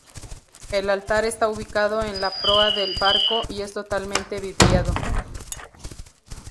El altar está ubicado en la proa del barco, y es totalmente vidriado.